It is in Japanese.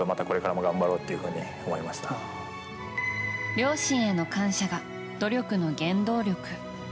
両親への感謝が努力の原動力。